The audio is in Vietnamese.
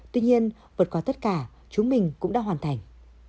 tuy nhiên vượt qua tất cả chúng mình cũng đã hoàn thành